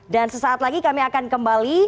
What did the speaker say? dan sesaat lagi kami akan kembali